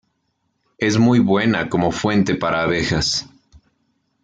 Es muy buena como fuente para abejas.